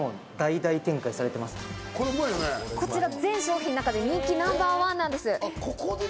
こちら全商品の中で人気ナンバーワンなんです。